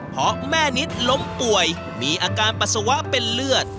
เพราะแม่นิดล้มป่วยมีอาการปัสสาวะเป็นเลือด